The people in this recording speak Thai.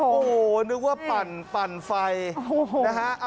โอ้โหนึกว่าปั่นไฟนะฮะ